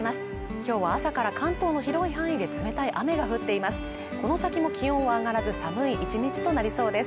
今日は朝から関東の広い範囲で冷たい雨が降っています